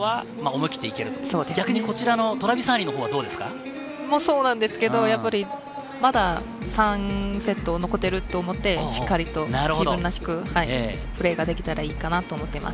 逆にトラビサーニのほうはどまだ３セット残ってると思って、しっかりと自分らしくプレーができたらいいかなと思っています。